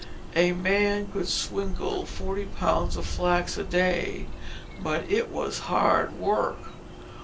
A man could swingle forty pounds of flax a day, but it was hard work.